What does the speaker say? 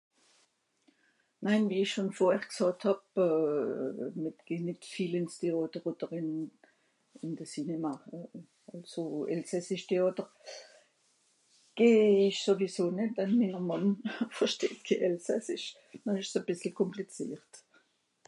Nein, wie ich schon vorher gsààt hàb euh..., mìr gehn nìt viel ìns Teàter odder ìn... ìn de Cinéma. Àlso, elsässisch Teàter geh ich sowieso nìt denn minner Mànn ...haha... versteht ké elsässisch. Noh ìsch's e bìssel kùmplizìert.